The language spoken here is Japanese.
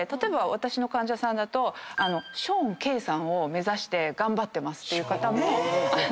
私の患者さんだとショーンＫさんを目指して頑張ってますっていう方も。